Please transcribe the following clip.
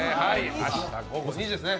明日午後２時ですね。